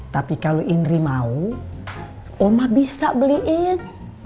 tapi kalau indri mau oma bisa beliin